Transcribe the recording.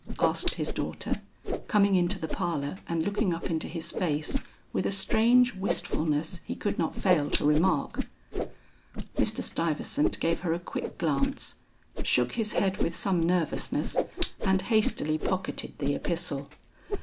asked his daughter, coming into the parlor and looking up into his face with a strange wistfulness he could not fail to remark. Mr. Stuyvesant gave her a quick glance, shook his head with some nervousness and hastily pocketed the epistle.